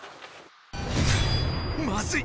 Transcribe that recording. まずい！